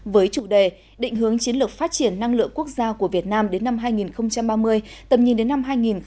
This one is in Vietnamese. với chủ đề định hướng chiến lược phát triển năng lượng quốc gia của việt nam đến năm hai nghìn ba mươi tầm nhìn đến năm hai nghìn bốn mươi năm